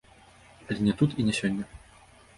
Але не тут і не сёння.